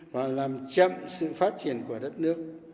và làm chậm sự phát triển của đất nước